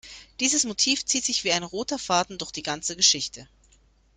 Dieses Motiv zieht sich wie ein roter Faden durch die ganze Geschichte.